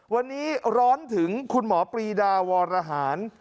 วันนี้ร้อนถึงคุณหมอปรีดาวรหาร